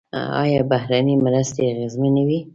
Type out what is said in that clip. آیا بهرنۍ مرستې اغیزمنې وې؟